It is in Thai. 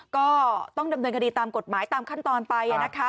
ก็ต้องดำเนินคดีตามกฎหมายตามขั้นตอนไป